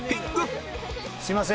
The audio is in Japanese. すいません。